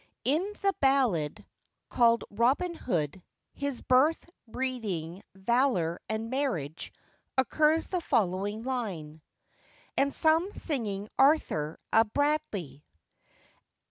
[IN the ballad called Robin Hood, his Birth, Breeding, Valour and Marriage, occurs the following line:— And some singing Arthur a Bradley.